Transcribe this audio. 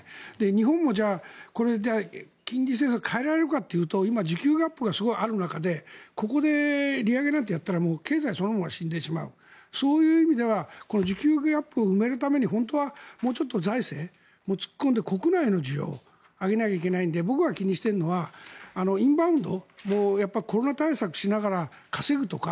日本も金利政策を変えられるかというと今、時給アップがある中でここで利上げなんてやったら経済そのものが死んでしまうそういう意味ではこの需給ギャップを埋めるために本当はもっと財政を突っ込んで国内の需要を上げなきゃいけないので僕が気にしているのはインバウンドコロナ対策をしながら稼ぐとか